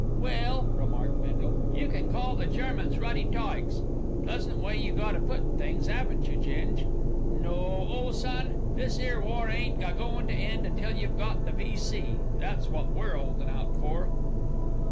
"Well," remarked Bindle, "you can call the Germans ruddy tykes. Pleasant way you got o' puttin' things, 'aven't you, Ging? No; ole son, this 'ere war ain't a goin' to end till you got the V.C., that's wot we're 'oldin' out for."